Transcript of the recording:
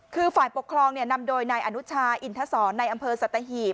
คือฝ่ายปกครองนำโดยนายอนุชาอินทศรในอำเภอสัตหีบ